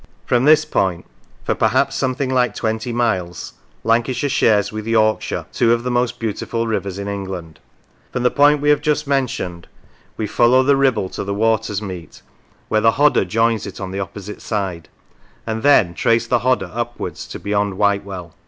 From this point for perhaps some thing like twenty miles Lancashire shares with York shire two of the most beautiful rivers in England. From the point we have just mentioned we follow 15 Lancashire the Ribble to the watersmeet where the Hodder joins it on the opposite side, and then trace the Hodder upwards to beyond Whitewell.